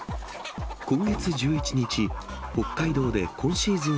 今月１１日、北海道で今シーズン